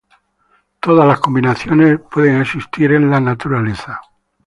Todas las combinaciones pueden existir en la naturaleza.